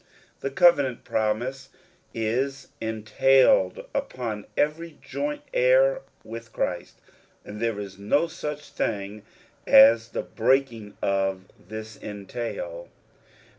The covenant promise is entailed upon every joint heir with Christ, and there is no such thing as the break ing of this entail.